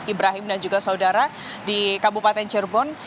ibrahim dan juga saudara di kabupaten cirebon